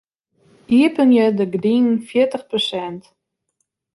Iepenje de gerdinen fjirtich prosint.